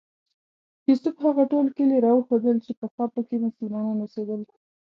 یوسف هغه ټول کلي راوښودل چې پخوا په کې مسلمانان اوسېدل.